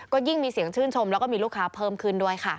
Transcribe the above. ก็ยิ่งมีเสียงชื่นชมแล้วก็มีลูกค้าเพิ่มขึ้นด้วยค่ะ